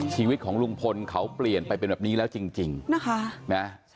ชีวิตของลุงพลเขาเปลี่ยนไปเป็นแบบนี้แล้วจริงนะคะนะ